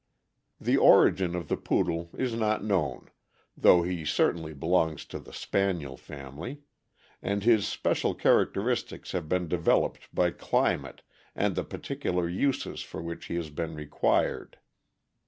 The origin of the Poodle is not known, though he cer tainly belongs to the Spaniel family; and his special char acteristics have been developed by climate and the particu lar uses for which he has been required.